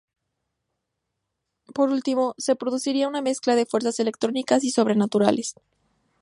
Por último, se produciría una mezcla de fuerzas electrónicas y sobrenaturales.